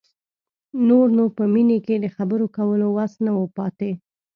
نور نو په مينې کې د خبرو کولو وس نه و پاتې.